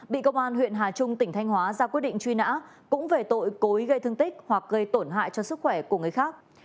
bị công an huyện hà trung tỉnh thanh hóa ra quyết định truy nã cũng về tội cối gây thương tích hoặc gây tổn hại cho sức khỏe của người khác